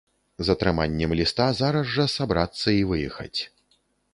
З атрыманнем ліста зараз жа сабрацца і выехаць.